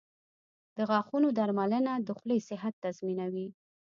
• د غاښونو درملنه د خولې صحت تضمینوي.